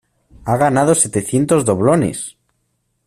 ¡ ha ganado setecientos doblones!